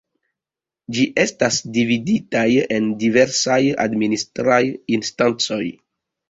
Ĝi estas dividitaj en diversaj administraj instancoj.